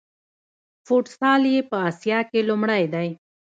فوټسال یې په اسیا کې لومړی دی.